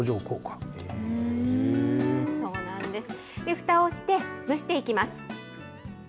ふたをして、蒸していきます。